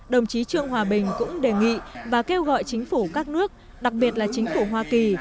đồng chí trương hòa bình cũng đề nghị và kêu gọi chính phủ các nước đặc biệt là chính phủ hoa kỳ